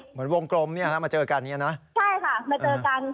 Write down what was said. เหมือนวงกลมเนี่ยฮะมาเจอกันเนี่ยนะใช่ค่ะมาเจอกัน